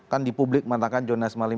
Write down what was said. kan di publik menandakan johannes marlim